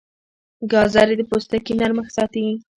ګازرې د پوستکي نرمښت ساتي.